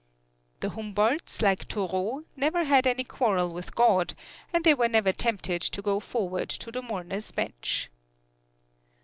The Humboldts, like Thoreau, never had any quarrel with God, and they were never tempted to go forward to the Mourners' Bench.